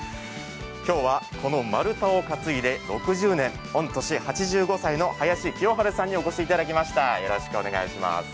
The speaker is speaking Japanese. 今日はこの丸太を担いで６０年、御年８５歳の林清春さんにお越しいただきました。